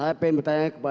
ke semua jidera